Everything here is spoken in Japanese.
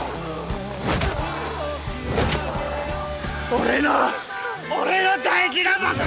俺の俺の大事な場所。